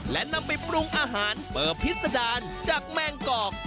และนำไปปรุงอาหารเปิดพิษดารจากแมงกอก